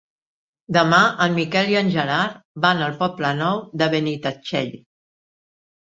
Demà en Miquel i en Gerard van al Poble Nou de Benitatxell.